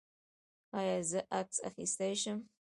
ایا زه عکس اخیستلی شم؟